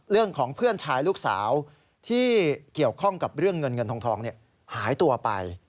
เเกี่ยวข้องกับเรื่องเงินเงินทองหายตัวไป